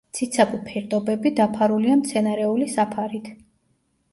ციცაბო ფერდობები დაფარულია მცენარეული საფარით.